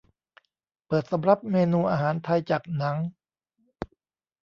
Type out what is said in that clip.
เปิดสำรับเมนูอาหารไทยจากหนัง